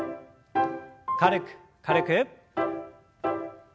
軽く軽く。